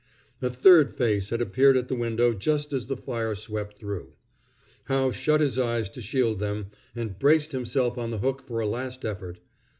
A third face had appeared at the window just as the fire swept through. Howe shut his eyes to shield them, and braced himself on the hook for a last effort.